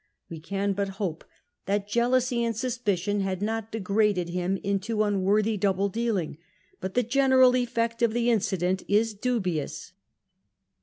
We can but hope that jealousy and suspicion had not degraded him into unworthy double dealing; but the general effect of the incident is dubious.